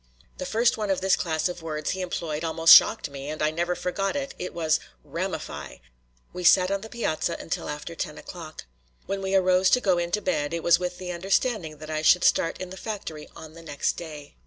The first one of this class of words he employed almost shocked me, and I never forgot it; 'twas "ramify." We sat on the piazza until after ten o'clock. When we arose to go in to bed, it was with the understanding that I should start in the factory on the next day.